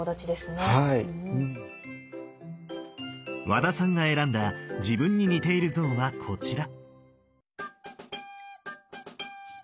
和田さんが選んだ自分に似ている像はこちら。